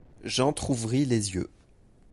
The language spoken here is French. J’entr’ouvris les yeux…